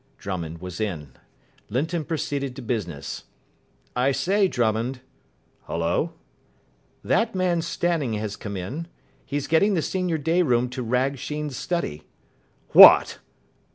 Drummond was in. Linton proceeded to business. "I say, Drummond." "Hullo?" "That man Stanning has come in. He's getting the senior day room to rag Sheen's study." "What!"